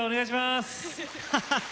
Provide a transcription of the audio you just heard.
ハハハハ！